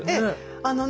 あのね